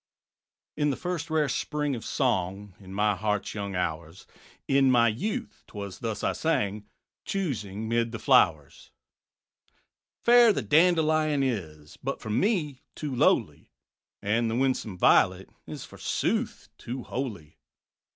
_In the first rare spring of song, In my heart's young hours, In my youth 't was thus I sang, Choosing 'mid the flowers: _ _"Fair the Dandelion is, But for me too lowly; And the winsome Violet Is, forsooth, too holy.